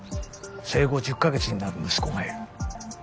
生後１０か月になる息子がいる。